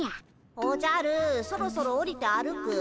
おじゃるそろそろおりて歩く？